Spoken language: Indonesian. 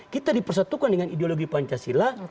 kita dipersatukan dengan ideologi pancasila